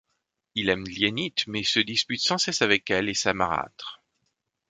Il aime Lienîte mais se dispute sans cesse avec elle et sa marâtre.